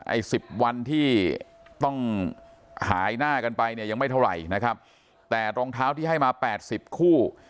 ไอ้สิบวันที่ต้องหายหน้ากันไปเนี่ยยังไม่เท่าไหร่นะครับแต่รองเท้าที่ให้มาแปดสิบคู่